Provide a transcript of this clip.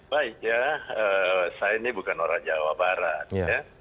baik ya saya ini bukan orang jawa barat ya